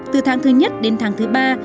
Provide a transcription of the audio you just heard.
từ tháng thứ nhất đến tháng thứ ba